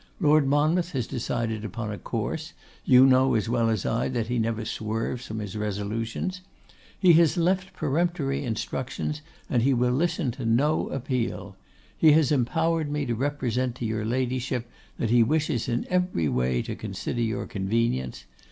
Lord Monmouth has decided upon a course: you know as well as I that he never swerves from his resolutions. He has left peremptory instructions, and he will listen to no appeal. He has empowered me to represent to your Ladyship that he wishes in every way to consider your convenience.